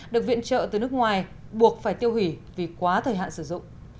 được viện trợ từ nước ngoài buộc phải tiêu hủy vì quá thời hạn sử dụng